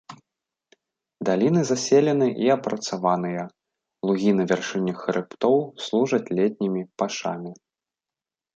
Даліны заселены і апрацаваныя, лугі на вяршынях хрыбтоў служаць летнімі пашамі.